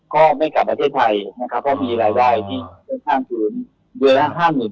ก็ไม่กลับประเทศไทยก็มีรายรายที่ช่องภารกิจ